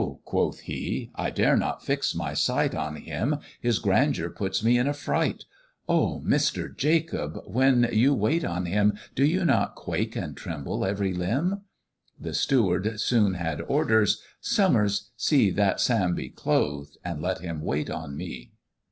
quoth he, "I dare not fix my sight On him, his grandeur puts me in a fright; Oh! Mister Jacob, when you wait on him, Do you not quake and tremble every limb?" The Steward soon had orders "Summers, see That Sam be clothed, and let him wait on me."